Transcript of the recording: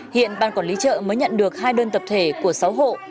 hiện ban quản lý chợ mới nhận được hai đơn tập thể của sáu hộ